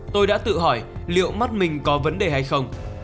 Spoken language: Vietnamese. tôi đã tự hỏi liệu mắt mình có vấn đề hay không